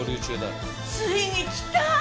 ついにきた！